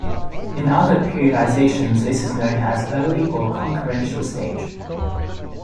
In other periodizations this is known as early or concurrential stage.